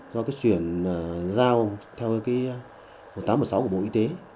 do chuyển giao theo một nghìn tám trăm một mươi sáu của bộ y tế